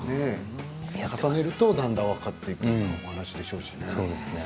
重ねるとだんだん分かってくる話でしょうし。